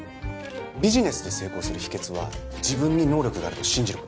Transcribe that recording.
ビジネスで成功する秘訣は自分に能力があると信じる事。